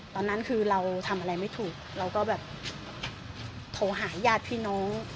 ตอนนั้นคือเราทำอะไรไม่ถูกเราก็แบบโทรหาญาติพี่น้อง